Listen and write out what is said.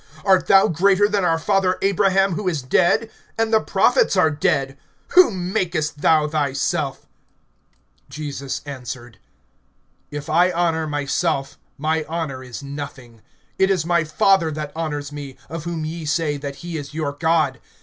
(53)Art thou greater than our father Abraham, who is dead? And the prophets are dead. Whom makest thou thyself? (54)Jesus answered: If I honor myself, my honor is nothing. It is my Father that honors me, of whom ye say, that he is your God.